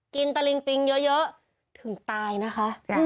กินตาริ๊งปลิ๊งเยอะถึงตายนะคะ